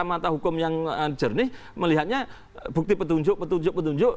mata hukum yang jernih melihatnya bukti petunjuk petunjuk petunjuk